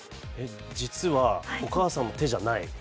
実はお母さんの手じゃない。